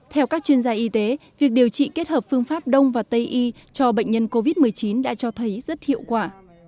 theo các chuyên gia y tế việc điều trị kết hợp phương pháp đông và tây y cho bệnh nhân covid một mươi chín đã cho thấy rất hiệu quả